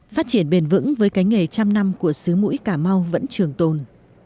phát triển bền vững với cái nghề trăm năm của xứ mũi cà mau vẫn trường tồn